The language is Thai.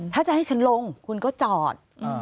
ถ้าจะให้ฉันลงคุณก็จอด